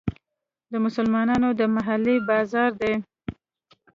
د مسلمانانو د محلې بازار دی.